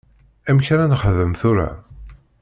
Amek ara nexdem tura?